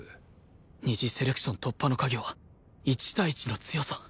二次セレクション突破の鍵は１対１の強さ